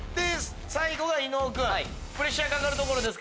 最後は伊野尾君プレッシャーかかるところです